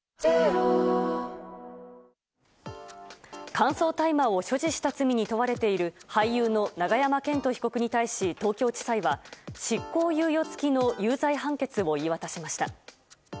乾燥大麻を所持した罪に問われている俳優の永山絢斗被告に対し東京地裁は執行猶予付きの有罪判決を言い渡しました。